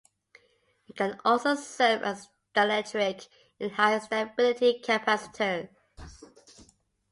It can also serve as a dielectric in high-stability capacitors.